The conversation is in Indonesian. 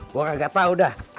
gue gak tau dah